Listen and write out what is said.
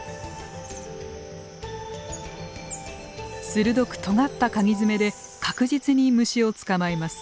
鋭くとがったかぎ爪で確実に虫を捕まえます。